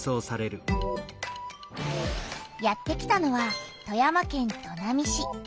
やって来たのは富山県砺波市。